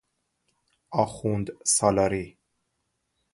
آخوندسالاری